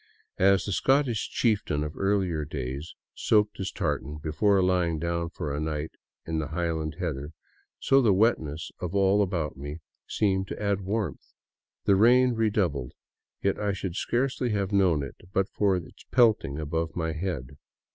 As the Scottish chieftain of earlier days soaked his tartan before lying down for a night in the highland heather, so the wetness of all about me seemed to add warmth. The rain redoubled, yet I should scarcely have known it but for its pelting above my head.